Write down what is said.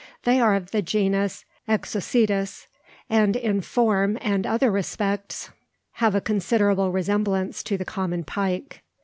They are of the genus Exocetus, and in form and other respects have a considerable resemblance to the common pike.